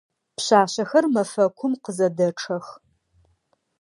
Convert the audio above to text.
Пшъашъэхэр мэфэкум къызэдэчъэх.